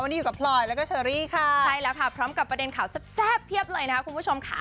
วันนี้อยู่กับพลอยแล้วก็เชอรี่ค่ะใช่แล้วค่ะพร้อมกับประเด็นข่าวแซ่บเพียบเลยนะคะคุณผู้ชมค่ะ